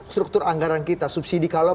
struktur anggaran kita subsidi kalau